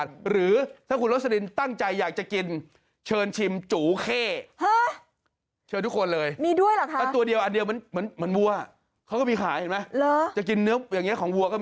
ตัวเดียวอันเดียวเหมือนวัวเขาก็มีขายเห็นไหมจะกินเนื้ออย่างนี้ของวัวก็มี